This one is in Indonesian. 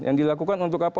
yang dilakukan untuk apa